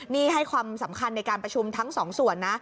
นี่ให้ความสำคัญในการประชุมทั้งสองส่วนนะ